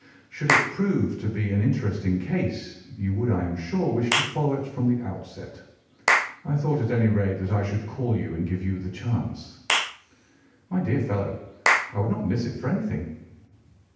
Should it prove to be an interesting case, you would, I am sure, wish to follow it from the outset. I thought, at any rate, that I should call you and give you the chance." "My dear fellow, I would not miss it for anything."